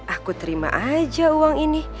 aku terima aja uang ini